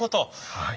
はい。